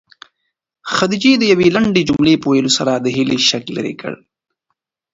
خدیجې د یوې لنډې جملې په ویلو سره د هیلې شک لیرې کړ.